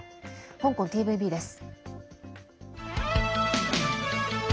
香港ＴＶＢです。